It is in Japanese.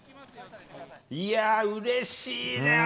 いやー、うれしいね。